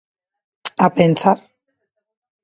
A pensar.